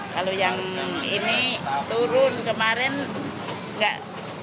kalau yang ini turun kemarin enggak